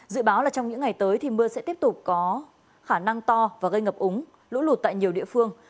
dự báo là trong những ngày tới thì mưa sẽ tiếp tục có khả năng to và gây ngập úng lũ lụt tại nhiều địa phương